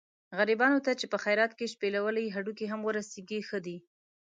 غریبانو ته چې په خیرات کې شپېلولي هډوکي هم ورسېږي ښه دي.